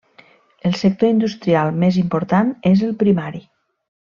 El sector industrial més important és el primari.